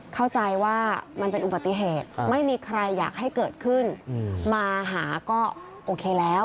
เข้าใจว่ามันเป็นอุบัติเหตุไม่มีใครอยากให้เกิดขึ้นมาหาก็โอเคแล้ว